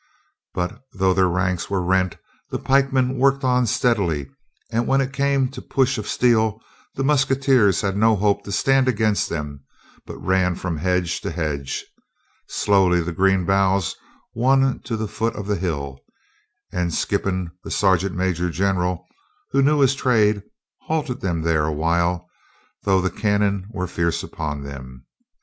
But though their ranks were rent, the pikemen worked on steadily, and when it came to push of steel the musketeers had no hope to stand against them, but ran from hedge to hedge. Slowly the green boughs won to the foot of the hill, and Skippon, the sergeant major general, who knew his trade, halted them there a while, though the cannon were fierce upon them.